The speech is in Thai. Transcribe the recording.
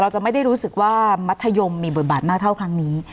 จะไม่ได้รู้สึกว่ามัธยมมีบทบาทมากเท่าครั้งนี้